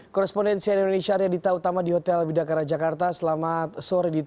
korrespondensi indonesia reddita utama di hotel bidakara jakarta selamat sore